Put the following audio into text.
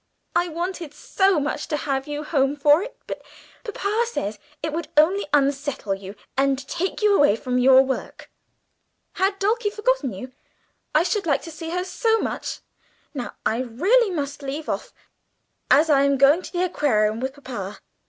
I wanted so much to have you home for it, but papa says it would only unsettle you and take you away from your work. "Had Dulcie forgotten you? I should like to see her so much. Now I really must leave off, as I am going to the Aquarium with papa.